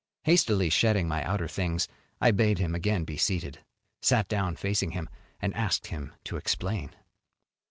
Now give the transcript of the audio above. Hastily shedding my outer things, I bade him again be seated, sat down facing him, and asked him to explain.